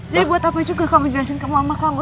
jadi buat apa juga kamu jelasin ke mama kamu